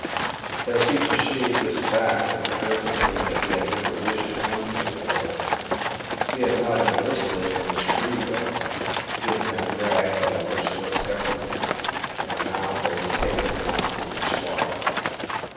As he perceived this fact it occurred to him that he had never wished to come to the war. He had not enlisted of his free will. He had been dragged by the merciless government. And now they were taking him out to be slaughtered.